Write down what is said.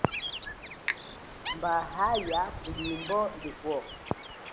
Mba, yaaya kulimbo likwo.